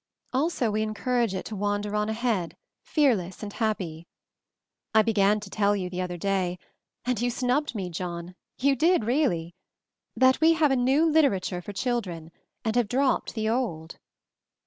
"Also we encourage it to wander on ahead, fearless and happy. I began to tell you the other day — and you snubbed me, John, you did really! — that we have a new literature for children, and have dropped the old."